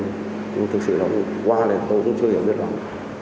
nhưng thực sự là qua này tôi cũng chưa hiểu biết lắm